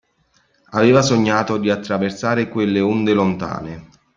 Aveva sognato di attraversare quelle onde lontane.